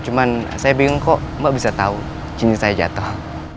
cuma saya bingung kok mbak bisa tahu jenis saya jatuh